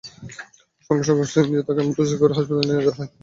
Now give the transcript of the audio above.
সঙ্গে সঙ্গে অক্সিজেন দিয়ে তাকে অ্যাম্বুলেন্সে করে হাসপাতালে নিয়ে যাওয়া হয়।